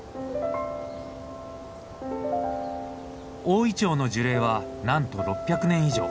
大イチョウの樹齢はなんと６００年以上。